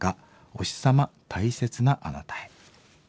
「おひさま大切なあなたへ」。